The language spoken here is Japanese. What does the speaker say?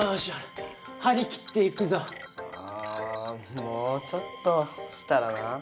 もうちょっとしたらな